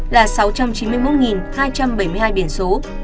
là sáu trăm chín mươi một hai trăm bảy mươi hai biển số